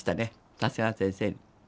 長谷川先生に。